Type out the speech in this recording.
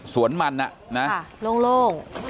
สวนมันโล่ง